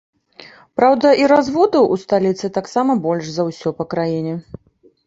Праўда, і разводаў у сталіцы таксама больш за ўсё па краіне.